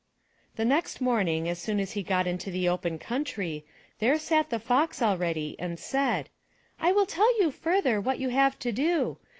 The next morning, as soon as he got into the open country, there sat the Fox already and said, "I will tell you further what you have to do.